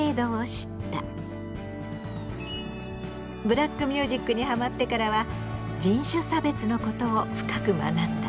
ブラックミュージックにハマってからは人種差別のことを深く学んだ。